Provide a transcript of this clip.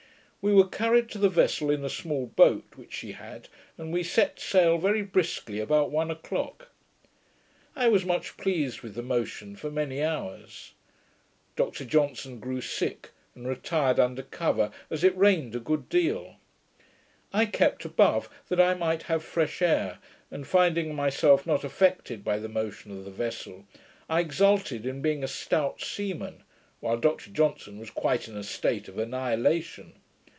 We were carried to the vessel in a small boat which she had, and we set sail very briskly about one o'clock. I was much pleased with the motion for many hours. Dr Johnson grew sick, and retired under cover, as it rained a good deal. I kept above, that I might have fresh air, and finding myself not affected by the motion of the vessel, I exulted in being a stout seaman, while Dr Johnson was quite in a state of annihilation.